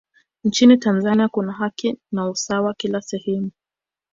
nchini tanzania kuna haki na usawa kila sehemu